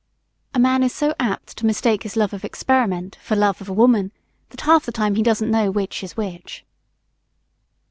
A man is so apt to mistake his love of experiment for love of a woman that half the time he doesn't know which is which.